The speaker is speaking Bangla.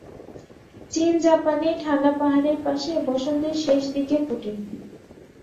চীন জাপানে ঠান্ডা পাহাড়ের পার্শ্বে বসন্তের শেষ দিকে ফুটে।